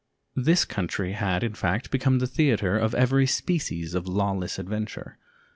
This country had, in fact, become the theater of every species of lawless adventure.